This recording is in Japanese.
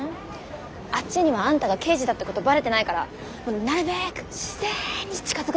あっちにはあんたが刑事だってことバレてないからなるべくしぜんに近づくのよ。